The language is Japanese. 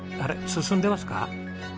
進んでますか？